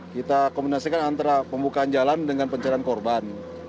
kita kombinasikan antara pembukaan jalan dengan pencarian korban